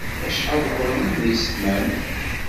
Acḥal ɣur-m n yisetma-m?